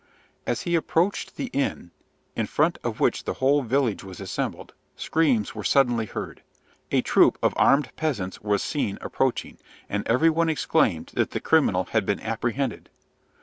As he approached the inn, in front of which the whole village was assembled, screams were suddenly heard. A troop of armed peasants was seen approaching, and every one exclaimed that the criminal had been apprehended.